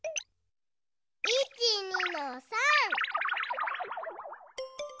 いちにのさん！